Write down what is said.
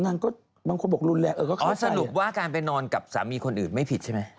นางก็บางคนบอกรุนแรงเออเขาสรุปว่าการไปนอนกับสามีคนอื่นไม่ผิดใช่ไหม